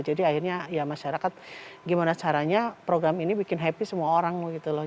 jadi akhirnya ya masyarakat gimana caranya program ini bikin happy semua orang gitu loh